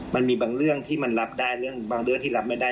มันมีบางเรื่องที่มันรับได้เรื่องบางเรื่องที่รับไม่ได้